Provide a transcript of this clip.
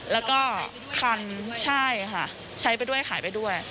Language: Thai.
แล้วก็คันใช่ค่ะใช้ไปด้วยขายไปด้วย